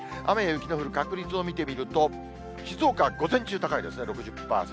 雨や雪の降る確率を見てみると、静岡は午前中高いですね、６０％。